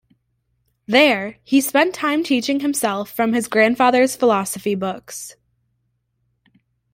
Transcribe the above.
There he spent time teaching himself from his grandfather's philosophy books.